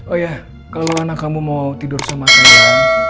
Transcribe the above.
oh iya kalau anak kamu mau tidur sama saya